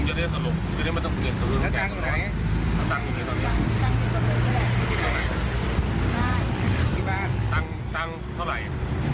ที่บ้านตังค์ตังค์เท่าไหร่